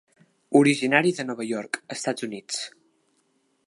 Originari de Nova York, Estats Units.